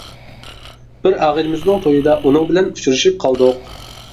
بىر ئاغىنىمىزنىڭ تويىدا ئۇنىڭ بىلەن ئۇچرىشىپ قالدۇق.